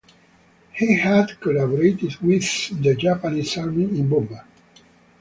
He had collaborated with the Japanese army in Burma.